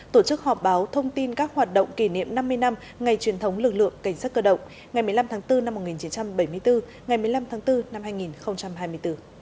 tổ chức họp báo thông tin các hoạt động kỷ niệm năm mươi năm ngày truyền thống lực lượng cảnh sát cơ động ngày một mươi năm tháng bốn năm một nghìn chín trăm bảy mươi bốn ngày một mươi năm tháng bốn năm hai nghìn hai mươi bốn